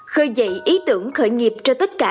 khơi dậy ý tưởng khởi nghiệp cho tất cả